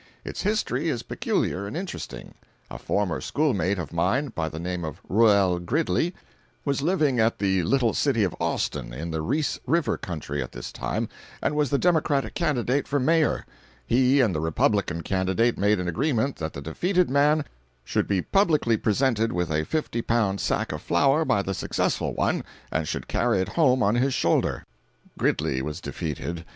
Its history is peculiar and interesting. A former schoolmate of mine, by the name of Reuel Gridley, was living at the little city of Austin, in the Reese river country, at this time, and was the Democratic candidate for mayor. He and the Republican candidate made an agreement that the defeated man should be publicly presented with a fifty pound sack of flour by the successful one, and should carry it home on his shoulder. Gridley was defeated.